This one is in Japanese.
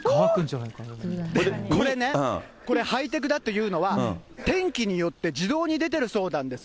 これね、ハイテクだっていうのは、天気によって自動に出ているそうなんです。